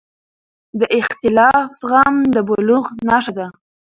د اختلاف زغم د بلوغ نښه ده